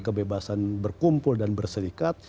kebebasan berkumpul dan berserikat